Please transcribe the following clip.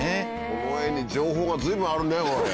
この絵に情報が随分あるね。